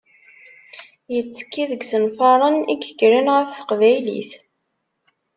Yettekki deg yisenfaren i yekkren ɣef Teqbaylit.